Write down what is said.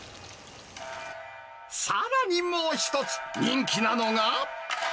さらにもう一つ、人気なのが。